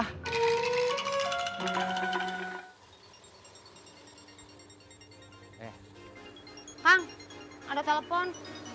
hang ada telepon